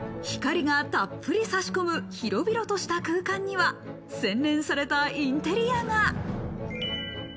光がたっぷり差し込む広々とした空間には、洗練されたインテリアが。